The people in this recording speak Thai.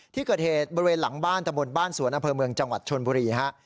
ที่เกิดเหตุบริเวณหลังบ้านตะบนบ้านสวนอำเภอเมืองจังหวัดชนบุรีฮะ